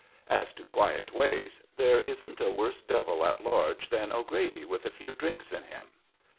As to quiet ways, there isn't a worse devil at large than O'Grady with a few drinks in him.